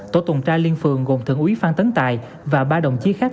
tổ tuần tra liên phường gồm thượng úy phan tấn tài và ba đồng chí khác